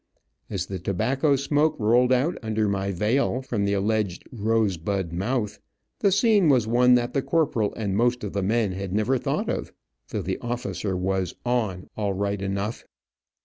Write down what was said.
As the tobacco smoke rolled out under my veil, from the alleged rosebud mouth, the scene was one that the corporal and the most of the men had never thought of, though the officer was "on" all right enough.